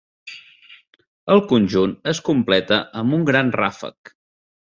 El conjunt es completa amb un gran ràfec.